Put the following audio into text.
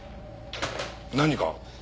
何か？